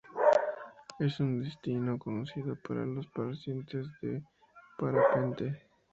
Es un destino conocido para los practicantes de parapente.